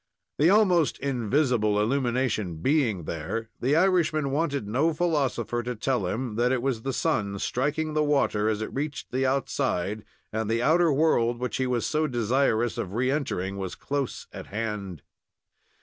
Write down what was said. The almost invisible illumination being there, the Irishman wanted no philosopher to tell him that it was the sun striking the water as it reached the outside, and the outer world, which he was so desirous of re entering, was close at hand.